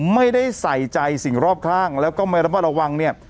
ไม่ได้ใส่ใจสิ่งรอบข้างแล้วก็ไม่ระมัดระวังเนี่ย